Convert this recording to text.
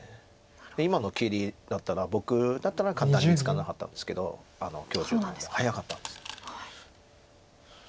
今の切りだったら僕だったら簡単につかなかったんですけど許十段は早かったんです。